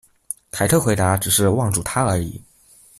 凯特回答只是望住他而已。